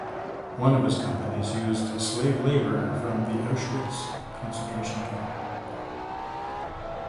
One of his companies used slave labor from the Auschwitz concentration camp.